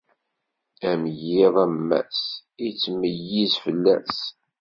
Am yiḍ am wass, ittmeyyiz fell-as.